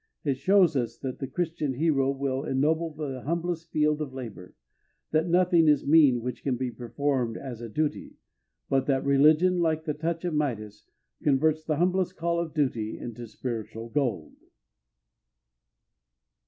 It shows us that the Christian hero will ennoble the humblest field of labor, that nothing is mean which can be performed as a duty, but that religion, like the touch of Midas, converts the humblest call of duty into spiritual gold.